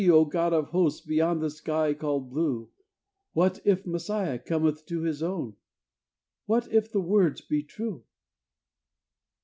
Oh, God of Hosts, Beyond the sky called blue, What if Messiah cometh to His own! What if the words be true!"